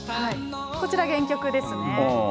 こちら、原曲ですね。